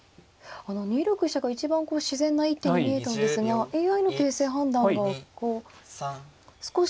２六飛車が一番こう自然な一手に見えたんですがＡＩの形勢判断が少し。